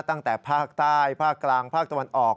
ตั้งแต่ภาคใต้ภาคกลางภาคตะวันออก